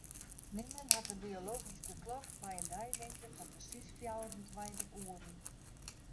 Nimmen hat in biologyske klok mei in deilingte fan persiis fjouwerentweintich oeren.